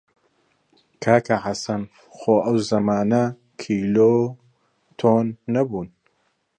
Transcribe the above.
کاکە حەسەن خۆ ئەو زەمانە کیلۆ و تۆن نەبوون!